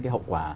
cái hậu quả